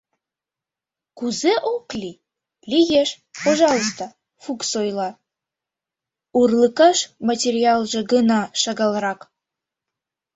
— Кузе ок лий, лиеш, пожалуйста, — Фукс ойла, — урлыкаш материалже гына шагалрак.